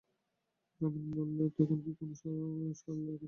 রমেন বললে, তখন কি কোনো সরলা কোথাও ছিল।